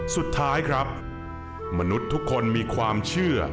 สุดท้ายครับมนุษย์ทุกคนมีความเชื่อ